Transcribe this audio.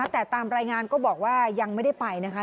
แต่ตามรายงานก็บอกว่ายังไม่ได้ไปนะคะ